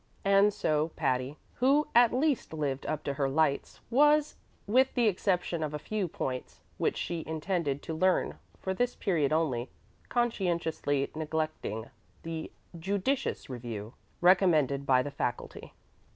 And so Patty, who at least lived up to her lights, was, with the exception of a few points which she intended to learn for this period only, conscientiously neglecting the "judicious review" recommended by the faculty.